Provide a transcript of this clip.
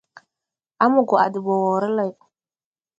A mo gwaʼ de ɓɔ woore lay.